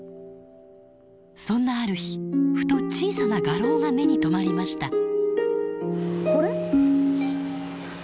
そんなある日ふと小さな画廊が目に留まりました。